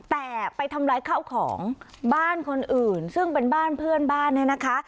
แต่ไปทำร้ายข้าวของบ้านคนอื่นซึ่งเป็นบ้านเพื่อนบ้านเนี่ยนะคะ